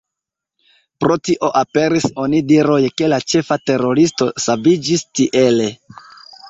Pro tio aperis onidiroj, ke la ĉefa teroristo saviĝis tiele.